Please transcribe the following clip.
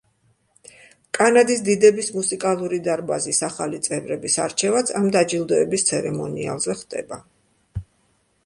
კანადის დიდების მუსიკალური დარბაზის ახალი წევრების არჩევაც ამ დაჯილდოების ცერემონიალზე ხდება.